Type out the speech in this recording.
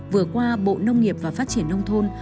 vừa qua bộ nông nghiệp và phát triển nông thôn